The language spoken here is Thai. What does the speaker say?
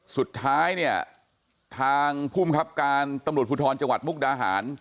สุดท้ายเนี่ยทางภูมิครับการตำรวจภูทรจังหวัดมุกดาหาร